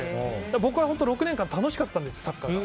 僕は６年間楽しかったんです、サッカーが。